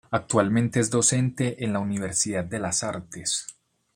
Actualmente es docente en la Universidad de las Artes.